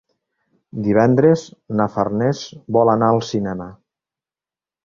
Divendres na Farners vol anar al cinema.